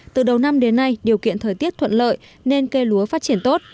từ đầu năm đến nay điều kiện thời tiết thuận lợi nên cây lúa phát triển tốt